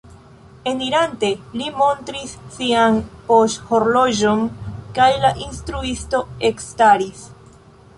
Enirante li montris sian poŝhorloĝon kaj la instruisto ekstaris.